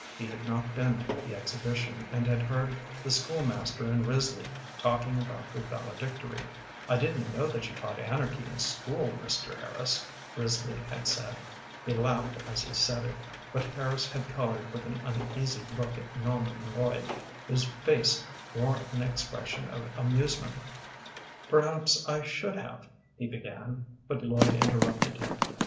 He had not been at the exhibition, and had heard the school master and Risley talking about the valedictory. "I didn't know that you taught anarchy in school, Mr. Harris," Risley had said. He laughed as he said it, but Harris had colored with an uneasy look at Norman Lloyd, whose face wore an expression of amusement. "Perhaps I should have," he began, but Lloyd interrupted him.